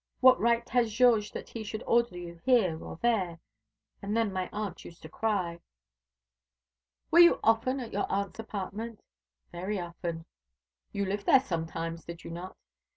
What right has Georges that he should order you here or there? And then my aunt used to cry." "Were you often at your aunt's apartment?" "Very often." "You lived there sometimes, did you not?"